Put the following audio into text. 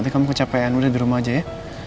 kamu capekan udah di rumah aja ya